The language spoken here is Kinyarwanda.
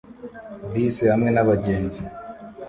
Bisi hamwe nabagenzi